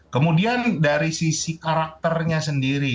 kemudian dari sisi karakternya sendiri